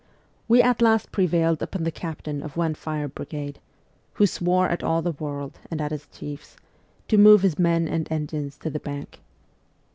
We at last prevailed upon the captain of one fire brigade who swore at all the world and at his chiefs to move his men and engines to the Bank.